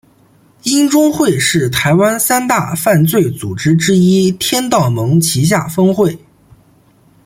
鹰中会是台湾三大犯罪组织之一天道盟旗下分会。